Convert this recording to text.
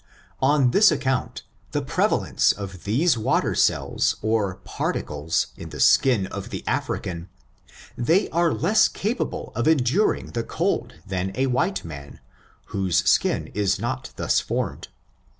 On this account, the prevalence of these water cell9|| «^^^^^^^ I ■>■ 62 ORIGIN, CHARACTER, AND or particles, in the skin of the African, they are less capable of enduring the cold than a white man, whose skin is not thus formed.